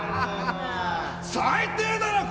最低だな！